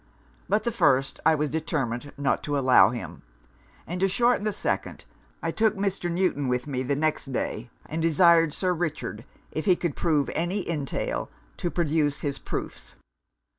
But the first, I was determined not to allow him; and to shorten the second, I took Mr. Newton with me the next day, and desired Sir Richard, if he could prove any entail, to produce his proofs.